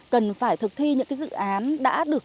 cần phải thực thi những dự án đã được